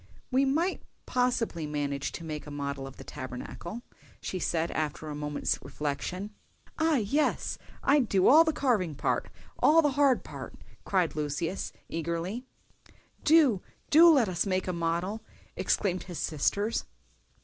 "We might possibly manage to make a model of the Tabernacle," she said, after a moment's reflection. "Ah, yes! I'd do all the carving part—all the hard part," cried Lucius, eagerly. "Do, do let us make a model!" exclaimed his sisters.